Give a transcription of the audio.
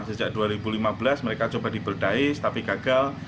sejak dua ribu lima belas mereka coba di berdais tapi gagal